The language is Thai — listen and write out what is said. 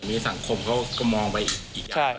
อันนี้สังคมเขาก็มองไปอีกอย่าง